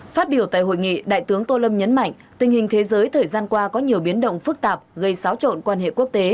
phát biểu tại hội nghị đại tướng tô lâm nhấn mạnh tình hình thế giới thời gian qua có nhiều biến động phức tạp gây xáo trộn quan hệ quốc tế